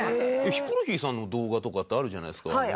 ヒコロヒーさんの動画とかってあるじゃないですか。